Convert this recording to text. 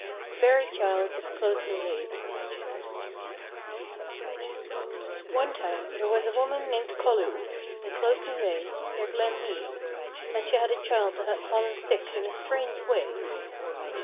THE FAIRY CHILD OF CLOSE NY LHEIY One time there was a woman named Colloo, in Close ny Lheiy, near Glen Meay, and she had a child that had fallen sick in a strange way.